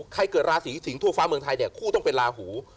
ใครเกิดลาสีสิงห์ทั่วฟ้าเมืองไทยคู่ต้องเป็นลาหู